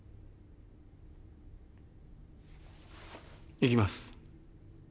行きます。